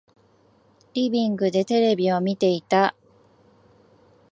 リビングでテレビを見ていた。